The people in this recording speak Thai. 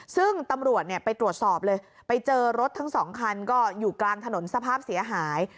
ซึ่งตำรวจไปตรวจสอบเลยไปเจอรถทั้งสองคันก็อยู่กลางถนนสภาพเสียหาย